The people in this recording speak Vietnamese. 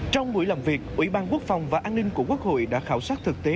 trong buổi làm việc ủy ban quốc phòng và an ninh của quốc hội đã khảo sát thực tế